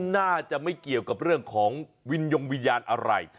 น่าจะไม่เกี่ยวกับเรื่องของวิญญงวิญญาณอะไร